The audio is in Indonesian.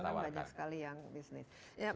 karena sekarang banyak sekali yang bisnis